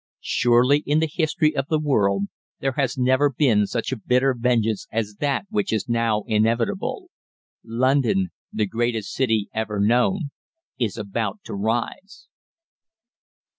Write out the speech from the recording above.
Surely in the history of the world there has never been such a bitter vengeance as that which is now inevitable. London, the greatest city ever known, is about to rise!